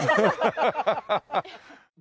ハハハハ！